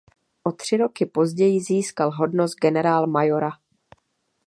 O tři roky později získal hodnost generálmajora.